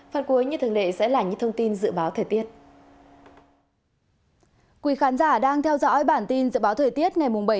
phần cuối như thường lệ sẽ là những thông tin dự báo thời tiết